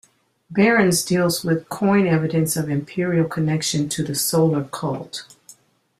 Berrens deals with coin-evidence of Imperial connection to the Solar cult.